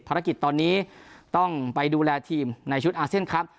ภารกิจตอนนี้ต้องไปดูแลทีมในชุดอาเซียนครับ